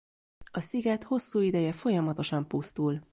A sziget hosszú ideje folyamatosan pusztul.